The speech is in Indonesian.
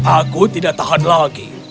aku tidak tahan lagi